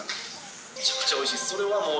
めちゃくちゃおいしい。